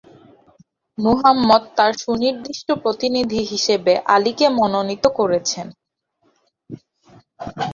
মোহাম্মদ তার সুনির্দিষ্ট প্রতিনিধি হিসেবে আলীকে মনোনীত করেছেন।